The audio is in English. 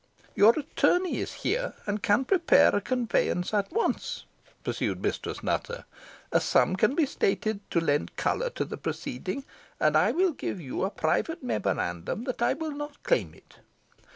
"Your attorney is here, and can prepare the conveyance at once," pursued Mistress Nutter; "a sum can be stated to lend a colour to the proceeding, and I will give you a private memorandum that I will not claim it.